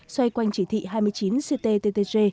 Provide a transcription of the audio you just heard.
xoay quanh chỉ thị hai mươi chín ctttg